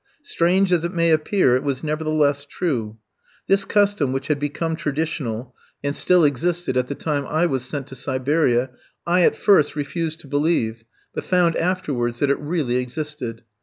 Strange as it may appear it was nevertheless true. This custom, which had become traditional, and still existed at the time I was sent to Siberia, I, at first, refused to believe, but found afterwards that it really existed.